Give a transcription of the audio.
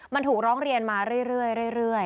มันถูกร้องเรียนมาเรื่อย